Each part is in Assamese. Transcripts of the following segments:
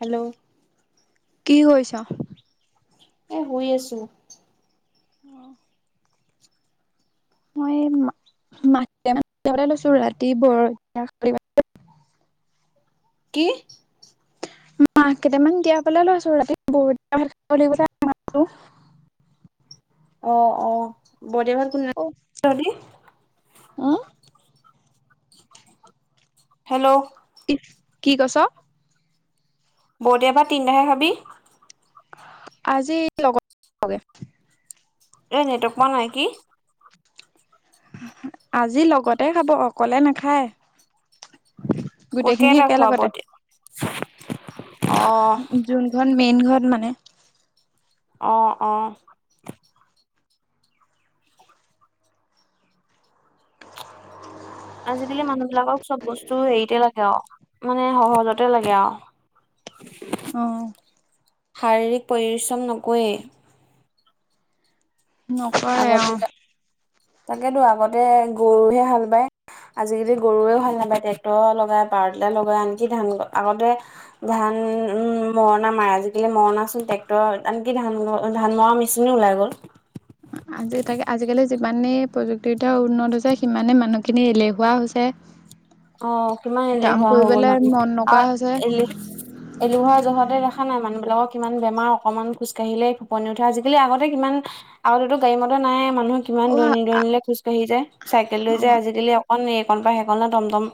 হেল্ল'। কি কৰিছ। এ শুই আছো। আহ মই মতি লৈছো ৰাতি বৰ। কি। মাহ কেইটামান দিয়া পালে লৈ আছো ৰাতি ব। অ', অ', বৰদেভাহত কোনে নাই [unintelligible] হুম হেল্ল' ইছ কি কৈছ। বৌওদেহ বা তিনিটা হে খাবি। আজি লগতে ব গে - এই নেটৱৰ্ক পোৱা নাই কি। আজি লগতে খাব অকলে নাখায়। ক গোটেইখিনি কেইটা খোৱাব একেলগতে দিয় আহ। যোনখন মেইন ঘৰত মানে। অ, অ। আজিকালি মানুহ বিলাকক চব বস্তু হেৰিতে লাগে আও মানে সহজতে লাগে আও। [unintelligible] উম শাৰীৰিক পৰিশ্ৰম নকৰেই। নকৰে আগতে, অ', তাকেতো আগতে গৰুহে হাল বায়। আজিকালি গৰুৱে হয় নাপায় ট্ৰেক্টৰ লগাই পাৱাৰ টিলাৰ লগাই আনকি ধান আগতে- ধান উম মৰণা মাৰে আজিকালি মৰণা চোন ট্ৰেক্টৰ আনকি ধান ধান মৰা মে- মেচিনো ওলাই গ'ল। আজি তাকে আজিকালি যিমানেই প্ৰযুক্তিবিদ্যা উন্নত হৈছে সিমানেই মানুহখিনি এলেহুৱা হৈছে। অ কিমান কাম এলেহুৱা হৈ গ'ল কৰিবলৈ মানুহ মন নকৰা আৰু হৈছে এ- এলেহুৱা জহতে দেখা নাই মানুহবিলাকক কিমান বেমাৰ অকণমান খোজকাঢ়িলে ফুপনি উঠে আজিকালি আগতে কিমান- আগতে তো গাড়ী মটৰ নাই মানুহে- কিমান দূৰণি অ', দূৰণিলে খোজকাঢ়ি যায় চাইকেল লৈ যায় অ', আজিকালি অকণ এইকণ বা সেইকনলে- টমটম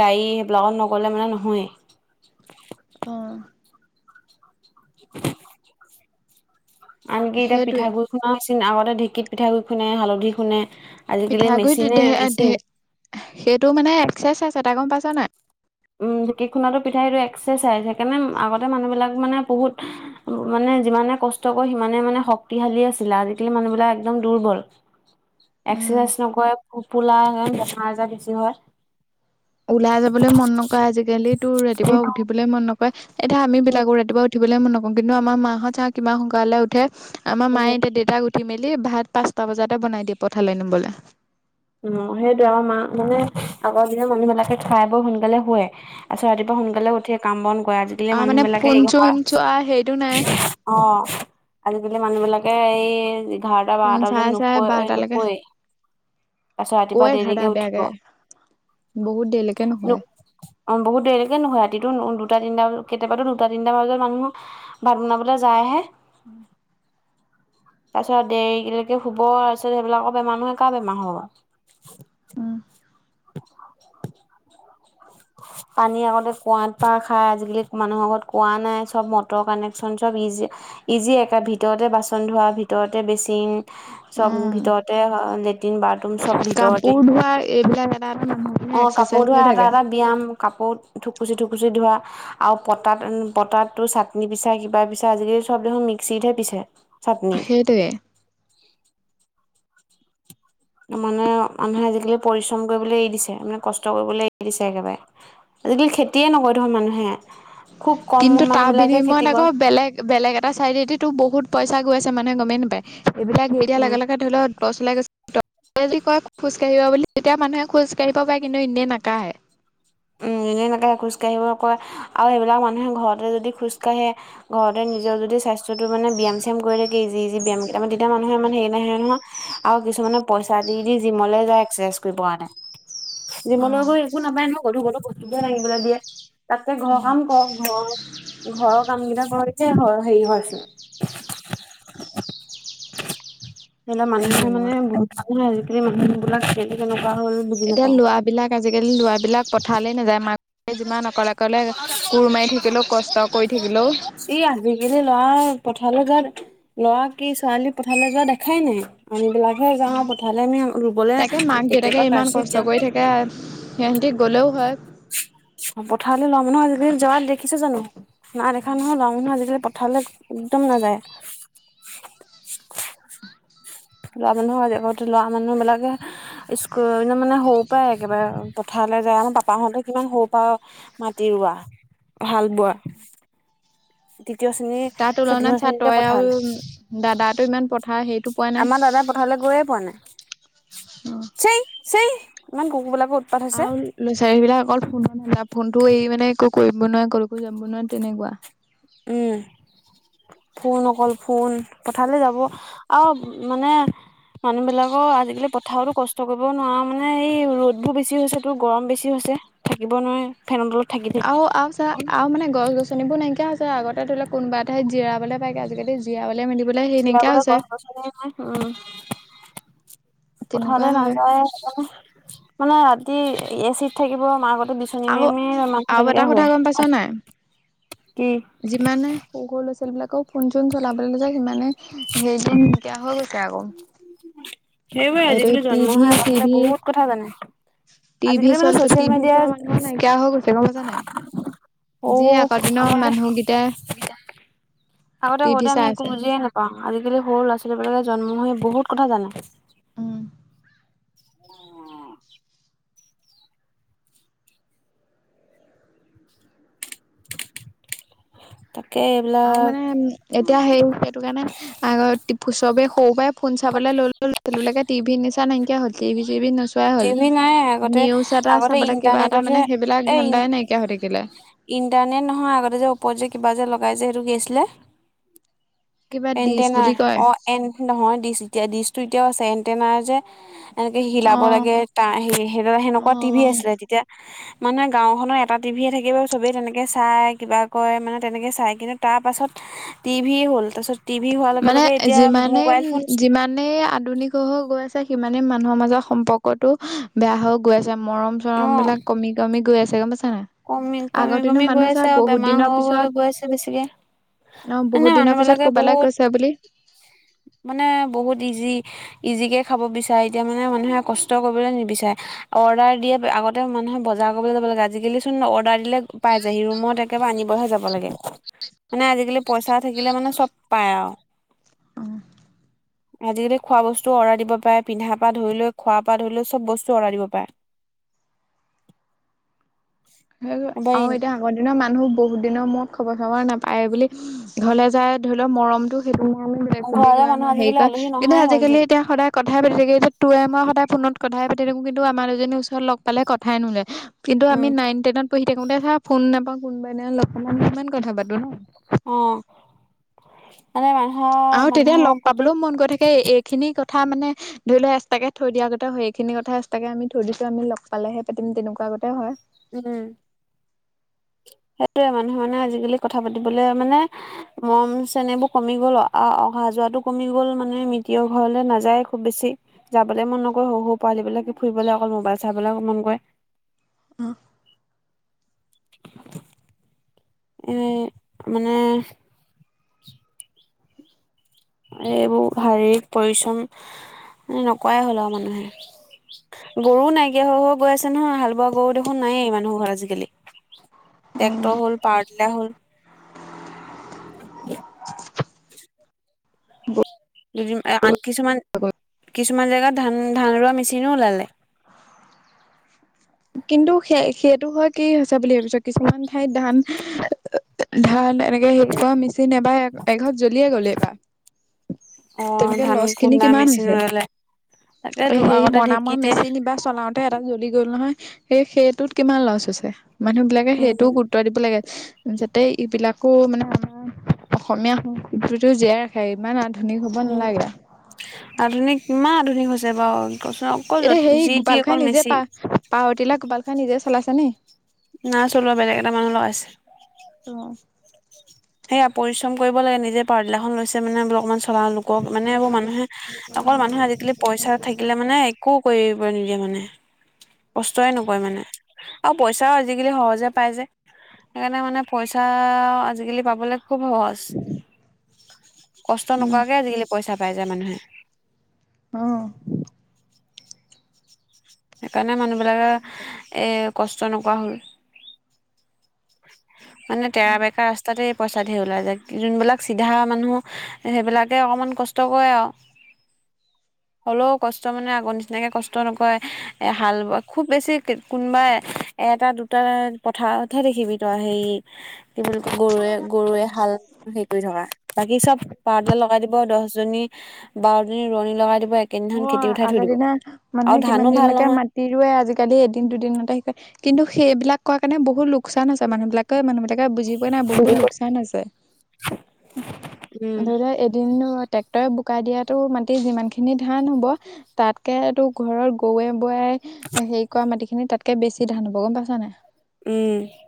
গাড়ী সেইবিলাকত নগ'লে মানে নহয়েই অ', [unintelligible] আনকি এতিয়া সেইটোৱে। পিঠাগুৰি খুন্দাও মেচিন আগতে ঢেঁকীত পিঠাগুৰি খুন্দে, হালধি খুন্দে আজিকালি পিঠাগুৰিত মেচিনে ধেৰ মেচিন ধেৰ সেইটো মানে এক্সাৰচাইজ এটা গম পাইছা নাই? উম ঢেকি খুন্দা পিঠাইটো এক্সেচাইজ সেইকাৰণে আগতে মানুহবিলাক মানে বহুত মানে যিমানে কষ্ট কৰে সিমানে মানে শক্তিশালী আছিলে আজিকালি মানুহবিলাক একদম দুৰ্বল। এক্সাৰচাইজ নকৰে পোপোলা সেই কাৰণে বেমাৰ আজাৰ বেছি হয়। ওলাই যাবলৈ মন নকৰে আজিকালি তোৰ ৰাতিপুৱা উঠিবলৈ মন নকয়, এতিয়া আমি উম বিলাকো ৰাতিপুৱা উ- উঠিবলৈ মই নকওঁ কিন্তু আমাৰ মাহঁত চা আৰু কিমান সোনকালে উঠে আমাৰ উম মায়ে এতিয়া দেউতাক উঠ- উঠি মেলি ভাত পাঁচটা বজাতে বনাই দিয়ে পথালে নিবলে। অ সেইটোৱে আমাৰ মা মানে আগৰ দিনৰ মানুহবিলাকে খাই বৈ সোনকালে শুৱে আচ্ছা ৰাতিপুৱা সোনকালে উঠিয়ে কাম বন কৰে আজিকালি আৰু মানে মানুহ বিলাকে ফোন এই খন চোন চোৱা সেইটো নাই কাম অ আজিকালি মানুহ বিলাকে এই এঘাৰটা, ফোন বাৰটা চাই চাই নুশুৱে বাৰটালৈকে নুশুৱেই তাৰপাছত ৰাতিপুৱা কৈ দেৰি এঘাৰটা দেৰিকে উঠিব। বেয়াকে বহুত দেৰিলৈকে অ নুশুৱে। বহুত দেৰিলৈকে নুশুৱে ৰাতিটো দুটা, তিনিটা বা কেতিয়াবাতো দুটা, তিনটা বজাত মানুহ ভাত বনাবলৈ যায়হে উম তাৰপিছত দেৰিকে শুব তাৰ পিছত সেইবিলাক বেমাৰ নহয়ে কাৰ বেমাৰ হ'ব বাও উম, [unintelligible] [unintelligible] পানী আগতে কুঁৱাত পা খাই আজিকালি মানুহৰ আগত কুঁৱা নাই চব মটৰ কানেকচন চব ইজি ইজিয়ে একে ভিতৰতে বাচন ধোৱা ভিতৰতে বেচিন চব ভিতৰতে লেট্ৰিন বাথৰুম চব ভিত কাপোৰ ধোৱা এইবিলাক বা আমাৰ অ মানুহবোৰে কাপোৰ ধোৱা এক্সাৰচাইজ এটা থাকে এটা ব্যায়াম কাপোৰত থুকুচি থুকুচি ধোৱা আৰু পতাত পতাত টো চাটনি পিছা কিবা পিছা আজিকালি চব দেখোন মিক্সিতহে পিছে চাটনি সেইটোৱে মানে মানুহে আজিকালি পৰিশ্ৰম কৰিবলে এৰি দিছে মানে কষ্ট কৰিবলে এৰি দিছে একেবাৰে। আজিকালি খেতিয়ে নকৰে ধৰ মানুহে। খুব কম কিন্তু মানুহ তাৰ বিলাকে খেতি বিনিময়ত কৰে আকৌ বেলেগ বেলেগ এটা চাইডেদি তো বহুত পইচা গৈ আছে মানুহে গমেই নাপায় এইবিলাক এৰি দিয়াৰ উম লগে লগে ধৰি লওক ডচ ওলাই গৈছে ডক্টৰে যদি কয় খোজকাঢ়িব বুলি তেতিয়া মানুহে খোজ কাঢ়িব পাৰে কিন্তু এনেয়ে নাকাঢ়ে উম এনেই নাকাঢ়ে খোজকাঢ়িব কয় আৰু সেইবিলাক মানুহে ঘৰতে যদি খোজকাঢ়ে ঘৰতে নিজৰ যদি স্বাস্থ্যটো মানে ব্যায়াম চিয়াম কৰি থাকে ইজি ইজি ব্যায়ামা কেইটামান তেতিয়া মানুহে ইমান হেৰি নাহে নহয় আও কিছুমানপ পইচা দি- দি জিমলে যাই এক্সাৰচাইজ কৰিব কাৰণে। জিমলৈ গৈ একো নাপায় ন। গধু গধু বস্তুিবিলাক দাঙিবলৈ দিয়ে তাতকে ঘৰৰ কাম অ' কৰক ঘৰ ঘৰৰ কাম কেইটা কৰ। তে হয় হেৰি হয়চোন। কেলে মানুহে মানে জিমত। বহুত মানুহে আজিকালি মানুহ বিলাক কেনে কেনেকুৱা হ'ল। বুজি এতিয়া নাপাওঁ লৱা বিলাক আজিকালি লৱাবিলাক পথাৰলে নাযায় মাক কে যিমান অকলে- অকলে কোৰ মাৰি থাকিলেও কষ্ট কৰি থাকিলেও এই আজিকালি ল'ৱাই পথাৰলে যায়নে? লৱা কি ছোৱালী পথাৰলে যোৱা দেখাই নাই আন বিলাক। হে যাওঁ পথাৰলে আমি ৰুবলে তাকে কেতিয়াবা কাৰচিৰ যাওঁ। সিহতি গ'লেও হয়। অ', পথাৰলে লৱা মানুহ আজিকালি যোৱা দেখিছাঁ জানো? নাই দেখা নহয় লৱা নহয় আজিকালি পথাৰলৈ একদম নাযায়। লৱা মানুহ আজি আগতে লৱা মানুহ বিলাকে স্কুল মানে সৰু পাই একেবাৰে পথাৰলে যায় আৰু পাপাহঁতে কিমান সৰু পা মাটি ৰোৱা, হাল বোৱা। তৃতীয় শ্ৰেণী তাৰ তুলনাত চতুৰ্থ চা শ্ৰেণীতে তই আৰু পথাল। দাদাটো ইমান পট আমাৰ দাদাই পথাৰলে গৈয়ে পোৱা নাই অ' চেই। চেই ইমান কুকুৰ বিলাকৰ উত [unintelligible] ল'ৰা- ছোৱালীবিলাক অকল ফোনত ধান্দা ফোনতো এৰি মানে একো কৰিব নোৱাৰে কলোকো যাব নোৱাৰে তেনেকুৱা। উম, ফোন অকল ফোন পথালে যাব আও মানে মানুহবিলাকো আজিকালি পথাৰতো কষ্ট কৰিব নোৱাৰা মানে এই ৰ'দবোৰ বেছি হৈছেতো গৰম বেছি হৈছে। থাকিব নোৱাৰে। ফেনৰ তলত থাকি- থাকি। আওঁ- আওঁ চা আওঁ মানে গছ- গছনিবোৰ নাইকিয়া হৈছে আগতে ধৰি লক কোনোবা এটাই জিৰাবলে পায়গে আজিকালি বিয়া মলে মেলিবলে সেই নাইকিয়া জিৰাবলৈ হৈছে। গছ গছনি উম হু তেনেকুৱা পথাৰলে হয় নাযায় সেটো কাৰণে। মানে ৰাতি এ চিত থাকিব মাৰগতে বিচ আকৌ আওঁ এটা কথা গম পাইছ নাই? কি যিমানে সৰু -সৰু, ল'ৰা- ছোৱালীবলাকক ফোন চোন চলাবলৈ দিছে সিমানে সেইজন এতিয়া হৈ গৈছে আকৌ সেইবোৰে এইটো আজিকালি জন্ম টিভি হৈ - মানুহবিলাকে চিভিৰ বহুত কথা জানে টিভি আজিকালি মানে ছচিয়েল [unintelligible] মিডিয়াৰ নাইকিয়া হৈ গৈছে গম পাইছা নাই যি সৰু আগৰ দিনৰ আগতে মানুহগিতাই আগতে সৰুতে আমি চাই একো আছে বুজিয়ে নাপাওঁ আজিকালি সৰু ল'ৰা -ছোৱালীবিলাকে জন্ম হৈ বহুত কথা জানে। উম [unintelligible] [inaudible] তাকে আৰু এইবিলাক মানে এতিয়া সেই সেইটো কাৰণে আগত চবে সৰু পৰাই ফোন চাবলৈ লৈ লৈ ল'লে টিভিৰ নিচা নাইকিয়া হ'ল টিভি চিভি নোচো নোপোৱাই টিভি নাই হ'ল। আগতে নিউজ এটা আগতে চাবলে কিবা এটা ইণ্টাৰনেটতহে মানে সেইবিলাক এই ধানদাই নাইকিয়া হৈ থাকিলে। ইণ্টাৰনেট নহয় আগতে যে ওপৰত যে কিবা যে লগাই যে সেইটো কি আছিলে? কিবা ডিচ এণ্টেনাৰ বুলি কয় অ এন নহয় ডিচ এতিয়া ডিচটো এতিয়াও আছে এনটেইনাৰ যে এনেকে অ হিলাব লাগে সেনেকে তা সেই অ সেনেকুৱা টিভি আছিলে তেতিয়া মানে গাওঁ খনৰ এটা টিভিয়ে থাকিব চবে তেনেকে চাই কিবা কয় মানে তেনেকে চাই কিন্তু তাৰ পাছত টিভি হ'ল তাচট মানে যিমানেই -যিমানেই আধুনিক হৈ হৈ গৈ আছে সিমানেই মানুহৰ মাজৰ সম্পৰ্কটো বেয়া হৈ গৈ আছে মৰম- অ চৰম বিলাক কমি- কমি গৈ আছে গম পাইছা নাই? কমি -কমি আগৰ দিনৰ -কমি গৈ মানুহ চা আছে আৰু বহুত বেমাৰ দিনৰ হৈ- পিছত হৈ গৈ আছে বেছিকে। অ', মানে বহুত মানুহ দিনৰ পিছত বিলাকে ক'বালৈ বহুত গৈছাঁ বুলি মানে বহুত ইজি ইজিকে খাব বিচাৰে এতিয়া মানে মানুহে কষ্ট কৰিবলৈ নিবিচাৰে অৰ্ডাৰ দিয়ে। আগতে মানুহে বজাৰ কৰিবলৈ যাব লাগে। আজিকালি চোন অৰ্ডাৰ দিলে পাই যায় সি ৰুমত একেবাৰে আনিবহে যাব লাগে। মানে আজিকালি পইচা থাকিলে মানে চব পায় আৰু। অ [inaudible] আজিকালি খোৱা বস্তুও অৰ্ডাৰ দিব পাৰে পিন্ধা পা ধৰি লৈ খোৱা পা ধৰি লৈ চব বস্তু অৰ্ডাৰ দিব পাৰে। সেই আৰু এতিয়া আগৰ দিনৰ মানুহ বহুত দিনৰ মোৰ খবৰ চবৰ নাপায় বুলি। ঘৰলে যায় ধৰি লওঁক মৰমতটো সেইদিন আমি খবে ঘৰলে কিবা মানুহ নহয় হেৰি আজিকালি কয় আলহী কিন্তু নহাই আজিকালি হ'লচোন এতিয়া সদায় কথাই পাতি থাকে। এতিয়া তোৱে মই সদায় ফোনত কথাই পাতি থাকোঁ কিন্তু আমাৰ দুজনীৰ ওচৰত লগ পালে কথাই নোলোয়। কিন্তু আমি উম নাইন টেনত পঢ়ি থাকোতে চা ফোন নাপাওঁ কোনোবা এদিনা খন লগপালে কিমান কথা পাতোঁ ন। অ এনে নহয়। আৰু তেতিয়া লগ পাবলও মন গৈ থাকে এইখিনি কথা মানে ধৰিলোৱা এক্সট্ৰা কে থৈ দিয়া আগতে হয়। এইখিনি কথা এক্সট্ৰাকে আমি থৈ দিছো আমি লগ পালেহে পাতিম তেনেকুৱা আগতে হয়। উমহু উ। সেইটোৱে মানুহে মানে আজিকালি কথা পাতিবলে মানে ই ই হা মৰম চেনেহবোৰ কমি গ'ল, অহা যোৱাতটো কমি গ'ল, মিতিয়ৰ ঘৰলে নাযায় খুব বেছি। যাবলে মন নকৰে সৰু সৰু পোৱালী বিলাকে ফুৰিবলে অকল মোবাইল চাবলে মন কৰে। অহ। [unintelligible] এই মানে এই এইবোৰ শাৰীৰিক পৰিশ্ৰম এ এ এ হে এ নকোৰাই হল আৰু মানুহে। গৰু নাইকিয়া হৈ হৈ গৈ আছে নহয়। হাল বোৱা গৰু দেখোন নায়েই মানুহৰ ঘৰত আজিকালি। ট্ৰেক্টৰ হল, পাৱাৰটিলা হল। দুদিন এ আন কিছুমান কিছুমান জেগাত ধান ধান ৰোৱা মেচিনো ওলালে। কিন্তু সেই সেইটো হয় কি হৈছে বুলি ভাবিছো কিছুমান ঠাইত ধান ই ই ইহ্ এও অ অ ধান এনেকে সেৰি কৰা মেচিন এবাৰ এঘৰত জ্বলিয়ে গ'লে এইবাৰ। অ তেনেকে ধান লছ কিনি খুন্দা কিমান মেচিন হৈছে? ওলালে এ তাকেতো সেই আগতে মনামৰ ঢেঁকীতে মেচিনবাৰ চলাও এটা জ্বলি গ'ল ইহ নহয় সেই সেইটোত কিমান লচ হৈছে মানুহ বিলাকে সেইটো উম, গু উতুৱাই দিব লাগে। ইস্ যাতে এইবিলাকো মানে আমাৰ অসমীয়া সংস্কৃতিটো জীয়াই ৰাখে। সে ইমান আধুনিক হ'ব উম, নালাগে। আধুনিক কিমান আধুনিক হৈছে বাৰু কচোন অ এতিয়া সেই গোপাল খাই নিজে পা পাৱাৰটিলা গোপাল খাই নিজেই চলাইছে নি? নাই চলোৱা বেলেগ এটা মানুহ লগাইছে। অ সেইয়া পৰিশ্ৰম কৰিব লাগে নিজে পাৱাৰটিলা খন লৈছে মানে বোলে অকমান চলায় আনলো। মানে এইবোৰ মানুহে ই আহ্ অকল মানুহে আজিকালি পইচা থাকিলে মানে এক একো কৰিব নিদিয়ে মানে কষ্টই নকৰে মানে আৰু পইচাও আজিকালি সহজে পায় যে। সেইকাৰণে মানে পইচাআআআ আজিকালি পাব মানে খুব সহজ, কষ্ট উম নকৰাকে আজিকালি পইচা পাই যায় মানুহে। অ অ অ চু। সেইকাৰণে মানুহবিলাকে এহ্ হে কষ্ট নকৰা হল চিউ চিউ। মানে তেৰা বেকা ৰাস্তাতে। পইচা দি ওলাই যায়। যোনবিলাক চিধা মানুহ ইহ আ সেইবিলাকে অকণমান কষ্ট কৰে আৰু হ'লেও কষ্ট মানে আগৰ নিচিনাকে কষ্ট নকৰে। হে হে হে এ হাল ব খুব বেছি কোনোবা এটা দুটা পথাৰতহে দেখিবি তই সেই ই ই ইহ্ আ কি বুলি ক গৰুৱে গৰুৱে হাল হেৰি কৰি থকা বাকী চব পাৱাৰটিলা লগাই দিব দহজনী ইহ আ আ বাৰজনী ৰোৱনী লগাই দিব এক অ অ অ আগৰ দিনা মানুহে ধানো কিমান ভাল দিনলৈকে নহয় মাট তিৰুৱে আজিকালি এদিন দুদিনতে শিকায় কিন্তু সেইবিলাক কোৱাৰ কাৰণে বহুত লোকচান আছে মানুহবিলাক কি কয় মানুহবিলাকে বুজি পোৱা নাই বহুত লোকচান আছে। উম উমহ দেউতাই এদিন ট্ৰেক্টৰে বোকাই দিয়াতো মাটি যিমানখিনি ধান হব ইহ্ আ তাতকে টো ঘৰৰ গৰুৱে বোৱাই ইহ্ আ হেৰি কৰা মাটিখিনি তাতকে বেছি ধান হ'ব গম পাইছা নাই? উম উ উ।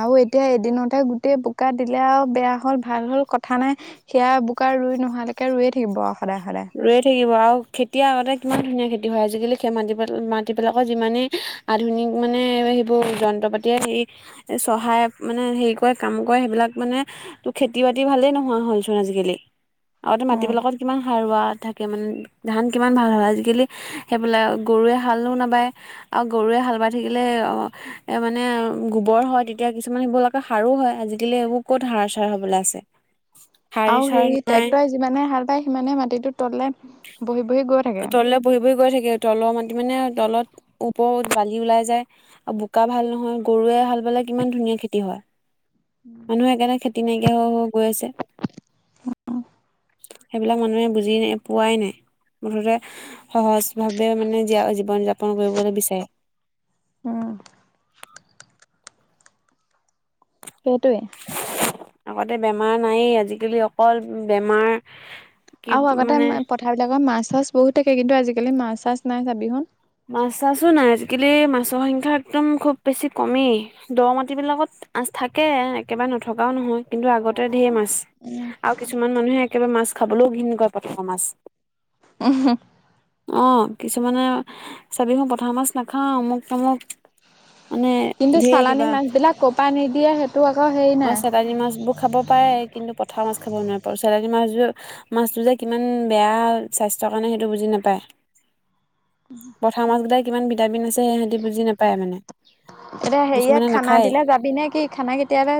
আৰু এতিয়া এদিনতে গোটেই বোকা দিলে আৰু বেয়া হল ভাল হল কথা নাই ইহ্ আ সেয়া বোকা ৰুই নোহালৈকে ৰুয়ে থাকিব সদায় সদায়। ৰোঁয়ে থাকিব আৰু খেতি আগতে কিমান ধুনীয়া খেতি হয় আজিকালি খে মাটিবিল মাটিবিলাকৰ যিমানেই ইহ্ আ আধুনিক মানে সেইবোৰ যন্ত্ৰ পাতিৰে সেই চহায় মানে হেৰি কৰে কাম কৰে সেইবিলাক মানে ত খেতি বাতি ভালেই নোহোৱা হ'লচোন আজিকালি? আগতে উম মাটিবিলাকত কিমান সাৰুৱা থাকে মানে ধান কিমান ভাল হয় আজিকালি সেইফালে গৰুৱে হালো নাবায় আৰু গৰুৱে হাল বাই থাকিলে অ এ মানে গোবৰ হয় তেতিয়া কিছুমান শিবলাগে সাৰো হয় আজিকালি এইবোৰ ক'ত সাৰ চাৰ হ'বলৈ আছে? [inaudible] আৰু হেৰি নাই ট্ৰেক্টৰে যিমানে হাল বায় সিমানে মাটিটো তললে উম হু হু বহি-বহি গত তললৈ বহি-বহি গৈ থাকে, তলৰ মাটি মানে তলত ওপৰত বালি ওলাই যায় ই ই। আৰু বোকা ভাল নহয়, গৰুৱে হাল বালে কিমান ধুনীয়া খেতি হয়। মানুহে এইকাৰণে খেত তেনেকে হৈ হৈ গৈ আছে, সেইবিলাক মানুহে বুজি নে পোৱাই নাই, মুঠতে হে হে সহজভাৱে মানে জীয়া জীৱন যাপন কৰিবলৈ বিচাৰে। উম সেইটোৱে। আগতে বেমাৰ নায়েই আজিকালি অকল বেমাৰ কি আৰু আগতে মানে পথাৰবিলাকত মাছ চাছ বহুত থাকে কিন্তু আজিকালি মাছ চাছ নাই চাবিখন। মাছ চাছো নাই আজিকালি মাছৰ সংখ্যা একদম খুব বেছি কমেই, দ মাটিবিলাকত মাছ থাকে একেবাৰে নথকাও নহয় কিন্তু আগতে ঢেৰ মাছ আৰু কিছুমান মানুহে একেবাৰে মাছ খাবলৈও ঘিণ কৰে পথাৰৰ মাছ। উহু। অ', কিছুমানে চাবিচুন পথাৰৰ মাছ নাখাওঁ অমুক তমুক মানে কিন্তু ঢেৰ চালানী কিবা। মাছবিলাক ক'ৰপা নিদিয়ে সেইটো আকৌ হেৰি অ', নাই চালানী মাছ বো খাব পাৰে কিন্তু পথাৰ মাছ খাব নোৱাৰে পাৰো চালানী মাছবোৰ মাছটো যে কিমান বেয়া স্বাস্থ্যৰ কাৰণে সেইটো বুজি নাপায়। পথাৰ মাছকেইটাই কিমান ভিটামিন আছে সিহঁতি বুজি নাপায় মানে। এতিয়া হেৰিয়া কিছুমানে খানা নাখায়। দিলে যাবি নে কি খানা কেতিয়াবা